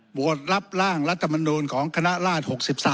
โหวตรับร่างรัฐมนูลของคณะราช๖๓